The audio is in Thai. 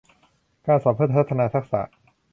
การสอนเพื่อพัฒนาทักษะ